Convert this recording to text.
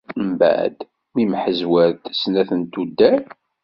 Mbeɛd, mi mḥezwaret snat n tuddar.